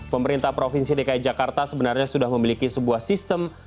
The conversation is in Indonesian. pemerintah provinsi dki jakarta sebenarnya sudah memiliki sebuah sistem